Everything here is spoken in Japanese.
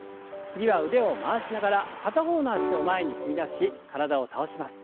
次は腕を回しながら片方の脚を前に踏み出し体を倒します。